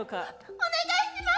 お願いします！